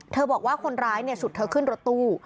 บอกว่าคนร้ายฉุดเธอขึ้นรถตู้